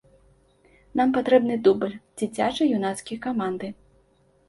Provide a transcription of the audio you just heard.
Нам патрэбны дубль, дзіцяча-юнацкія каманды.